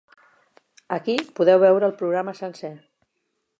Aquí podeu veure el programa sencer.